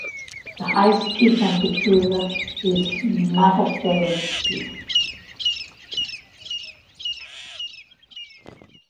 The highest peak on Tutuila is Matafao Peak.